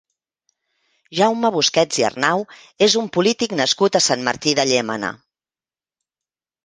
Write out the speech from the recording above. Jaume Busquets i Arnau és un polític nascut a Sant Martí de Llémena.